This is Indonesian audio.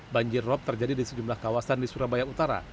banjirop terjadi di sejumlah kawasan di surabaya utara